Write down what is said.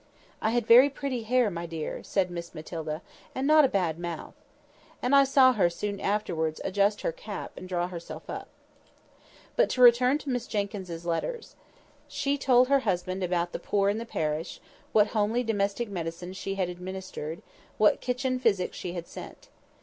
"I had very pretty hair, my dear," said Miss Matilda; "and not a bad mouth." And I saw her soon afterwards adjust her cap and draw herself up. But to return to Mrs Jenkyns's letters. She told her husband about the poor in the parish; what homely domestic medicines she had administered; what kitchen physic she had sent.